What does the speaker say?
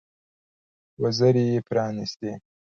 وزرې یې پرانيستې.